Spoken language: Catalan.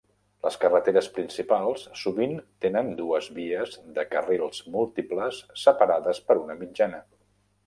Les carreteres principals sovint tenen dues vies de carrils múltiples separades per una mitjana.